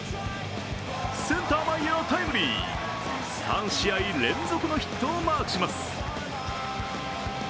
センター前へのタイムリー３試合連続のヒットをマークします